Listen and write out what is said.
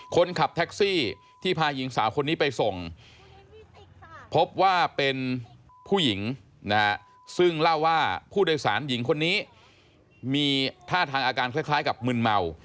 คนขับแท็กซี่ที่พาหญิงสาวคนนี้ไปส่งพบว่าเป็นผู้หญิงนะฮะซึ่งเล่าว่าผู้โดยสารหญิงคนนี้มีท่าทางอาการคล้ายกับมึนเมา